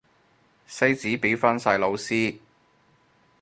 西史畀返晒老師